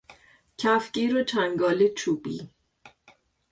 کفگیر و چنگال چوبی